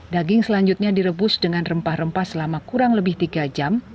daging selanjutnya direbus dengan rempah rempah selama kurang lebih tiga jam